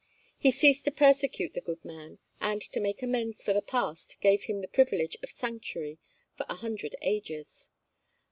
He ceased to persecute the good man, and to make amends for the past gave him the privilege of sanctuary for a hundred ages.